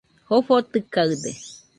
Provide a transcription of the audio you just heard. Jofo tɨkaɨde